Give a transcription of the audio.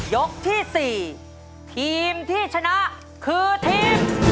ยกที่๔ทีมที่ชนะคือทีม